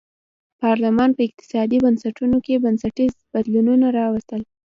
پارلمان په اقتصادي بنسټونو کې بنسټیز بدلونونه راوستل.